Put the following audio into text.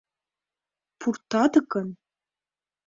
— Пуртат гын...